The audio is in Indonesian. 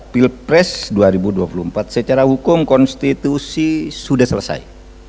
pilpres dua ribu dua puluh empat secara hukum konstitusi sudah selesai